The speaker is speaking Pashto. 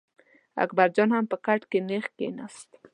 اکبر جان هم په کټ کې نېغ کېناست.